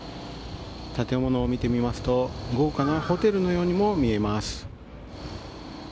建物を見てみますと豪華なホテルのようにも見えます。